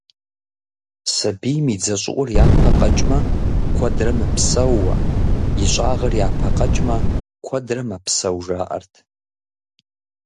Сабийм и дзэ щӏыӏур япэ къэкӏмэ, куэдрэ мыпсэууэ, ищӏагъыр япэ къэкӏмэ, куэдрэ мэпсэу, жаӏэрт.